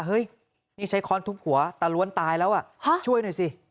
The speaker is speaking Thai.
เฮ้ยนี่ใช้ค้อนทุบหัวตาล้วนตายแล้วช่วยหน่อยสิ